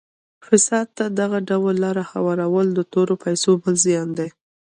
فساد ته دغه ډول لاره هوارول د تورو پیسو بل زیان دی.